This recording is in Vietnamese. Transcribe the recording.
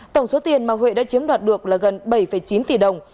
tổng số tiền mà huệ đã chiếm đoạt được là gần bảy chín tỷ đồng